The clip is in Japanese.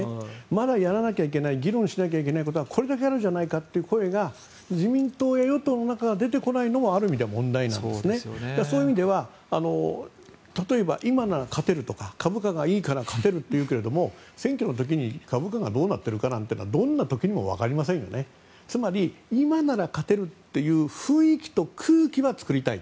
まだやらなきゃいけない議論しなきゃいけないことはこれだけあるじゃないかという声が自民党や与党の中から出てこないのも問題でそういう意味では例えば、今なら株価がいいから勝てるというけれども選挙の時に株価がどうなっているかなんてどんな時も分かりませんからつまり、今なら勝てるという雰囲気と空気は作りたい。